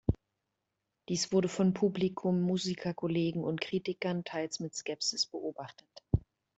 Dies wurde von Publikum, Musikerkollegen und Kritikern teils mit Skepsis beobachtet.